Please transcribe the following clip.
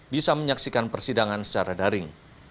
bisa menyaksikan persidangan secara daring